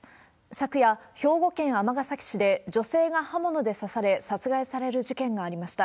昨夜、兵庫県尼崎市で女性が刃物で刺され、殺害される事件がありました。